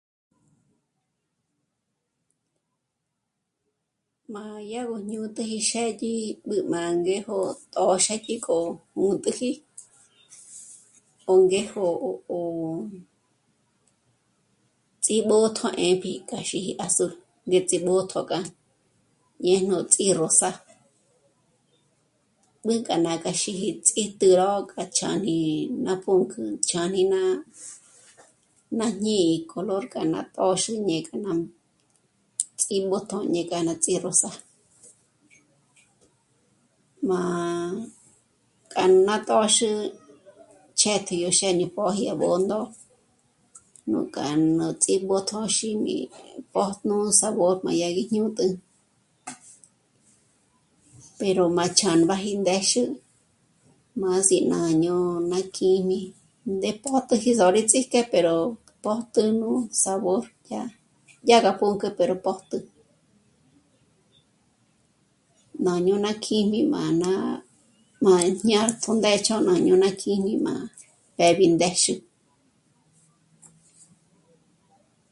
Má yá gó ñûtji yó xë́dyi b'ǚb'ü má ngéjo tô'o xék'i k'o 'ū̀ntiji ó ngéjo ó ts'ímbō̌tjō à 'ë̀pji k'o xíji azul ngéts'e mbójtjṓ'ō kja ñéj nú ts'írosa. B'ǘnk'a nája xíji ts'ijte ró k'acháni ná pǔnk'ü chân'i ná... jñí'i color k'a ná tö́xü ñe k'a ts'ímō̌tjō ñéj k'a ná ts'írosa. Má k'a nú ná tö́xü ch'ét'i yó xë́dyi póji à Bṓndo nújká ná ts'íbo'to xí mí pö̀jnu sabor má ya gí ñûtjü, pero má ch'ámbaji ndéxü má si nâ'a ñôna kjími ndé pótjü rí só'ojme mí ts'íjke pero pójtü nú sabor yá... yá gá pǔnk'ü pero pójtü, ná ñôna kíjmi má ná... má ñá'a to ndë́ch'o ná kjími má pé'b'i ndéxü